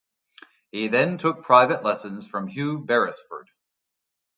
He then took private lessons from Hugh Beresford.